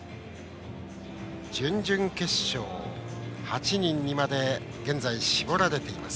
準々決勝、８人にまで現在絞られています。